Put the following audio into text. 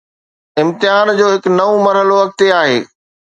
امتحان جو هڪ نئون مرحلو اڳتي آهي.